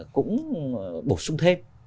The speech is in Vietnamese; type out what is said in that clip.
cũng bổ sung thêm